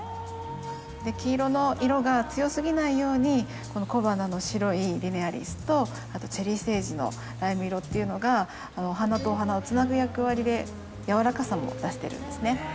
黄色の色が強すぎないようにこの小花の白いリネアリスとあとチェリーセージのライム色っていうのがお花とお花をつなぐ役割でやわらかさも出してるんですね。